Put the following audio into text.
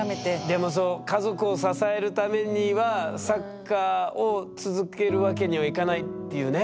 でもそう家族を支えるためにはサッカーを続けるわけにはいかないっていうね。